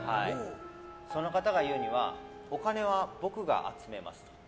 その方が言うにはお金は僕が集めます。